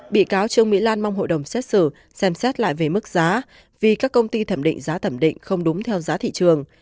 bị cáo trương mỹ lan mong hội đồng xét xử xem xét lại về mức giá vì các công ty thẩm định giá thẩm định không đúng theo giá thị trường